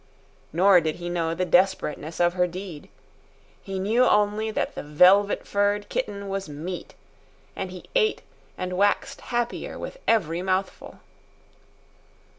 Nor did he know the desperateness of her deed. He knew only that the velvet furred kitten was meat, and he ate and waxed happier with every mouthful.